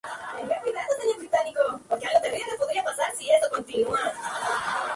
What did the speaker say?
Ese país fue sede de las finales de la Liga Mundial por cuarta vez.